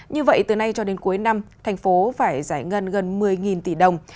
như vậy từ nay cho đến cuối năm thành phố phải giải ngân gần một mươi tỷ đồng